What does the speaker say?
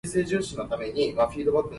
拑